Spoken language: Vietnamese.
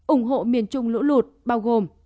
ủng hộ miền trung lũ lụt bao gồm